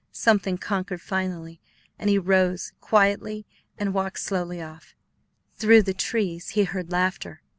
Something conquered finally, and he arose quietly and walked slowly off. Through the trees he heard laughter.